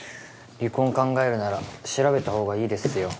離婚考えるなら調べたほうがいいですよ。